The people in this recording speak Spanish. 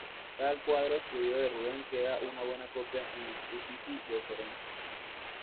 Del cuadro destruido de Rubens queda una buena copia en los Uffizi de Florencia.